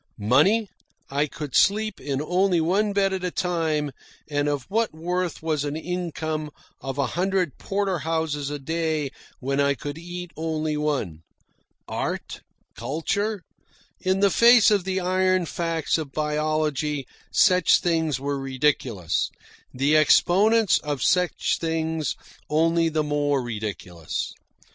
Money I could sleep in only one bed at a time, and of what worth was an income of a hundred porterhouses a day when I could eat only one? Art, culture in the face of the iron facts of biology such things were ridiculous, the exponents of such things only the more ridiculous.